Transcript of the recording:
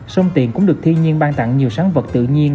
sông tiền cũng được thiên nhiên ban tặng nhiều sáng vật tự nhiên